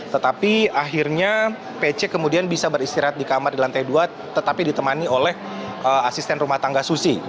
tetapi akhirnya pc kemudian bisa beristirahat di kamar di lantai dua tetapi ditemani oleh asisten rumah tangga susi